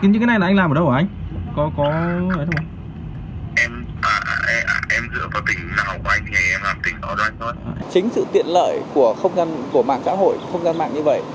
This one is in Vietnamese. chính sự tiện lợi của mạng xã hội không gian mạng như vậy